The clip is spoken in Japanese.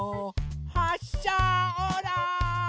はっしゃオーライ！